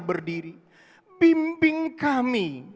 berdiri bimbing kami